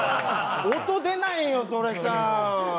音出ないよ、それさ。